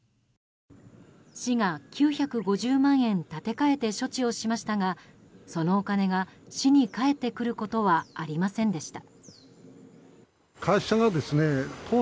市が９５０万円立て替えて処置をしましたがそのお金が市に返ってくることはありませんでした。